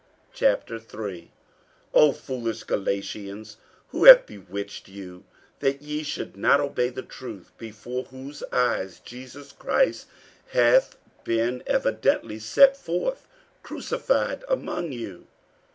48:003:001 O foolish Galatians, who hath bewitched you, that ye should not obey the truth, before whose eyes Jesus Christ hath been evidently set forth, crucified among you?